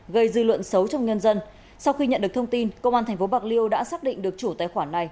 gây dư luận xấu trong nhân dân sau khi nhận được thông tin công an tp bạc liêu đã xác định được chủ tài khoản này